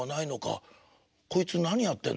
こいつ何やってんだ？